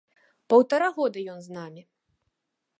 Паўтара года ён з намі.